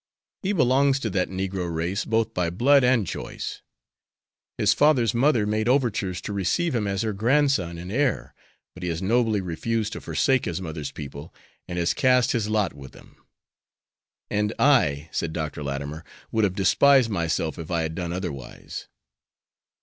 "He belongs to that negro race both by blood and choice. His father's mother made overtures to receive him as her grandson and heir, but he has nobly refused to forsake his mother's people and has cast his lot with them." "And I," said Dr. Latimer, "would have despised myself if I had done otherwise."